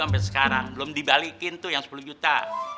sampai sekarang belum dibalikin tuh yang sepuluh juta